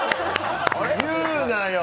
言うなよ！